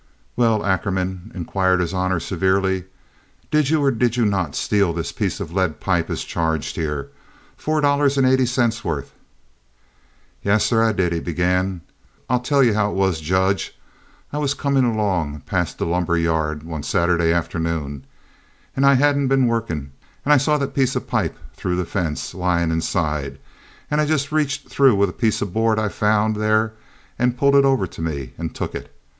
"Well, Ackerman," inquired his honor, severely, "did you or did you not steal this piece of lead pipe as charged here—four dollars and eighty cents' worth?" "Yassah, I did," he began. "I tell you how it was, jedge. I was a comin' along past dat lumber yard one Saturday afternoon, and I hadn't been wuckin', an' I saw dat piece o' pipe thoo de fence, lyin' inside, and I jes' reached thoo with a piece o' boad I found dey and pulled it over to me an' tuck it.